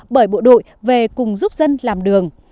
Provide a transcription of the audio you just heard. bởi bộ đội về cùng giúp dân làm đường